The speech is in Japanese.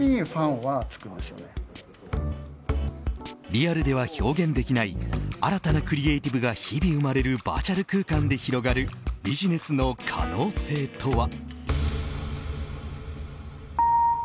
リアルでは表現できない新たなクリエイティブが日々生まれるバーチャル空間で広がるビジネスの可能性とは。